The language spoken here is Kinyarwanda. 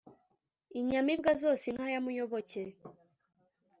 inyamibwa zose inka ya muyoboke